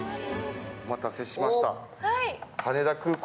お待たせしました。